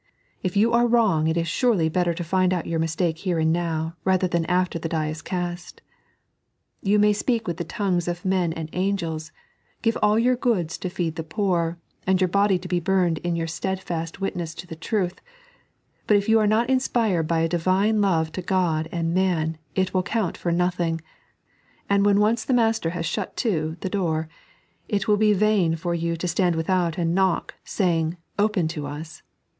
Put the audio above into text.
If you are wrong it is surely better to find out your mistake here and now rather than after the die is cost. You may speak with the tongues of men and angels, give all your goods to feed the poor, and your body to be burned in your steadiest witness to the truth — but if you ore not inspired by a Divine love to Ood and man it will count for nothing ; and when once the Master has shut to the door, it will be in vain for you to stand without and knock, saying, " Open to us."